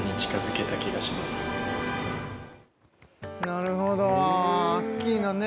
なるほどアッキーナね